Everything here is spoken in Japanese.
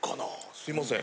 すいません。